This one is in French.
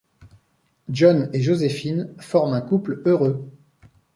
John et Joséphine forment un couple heureux.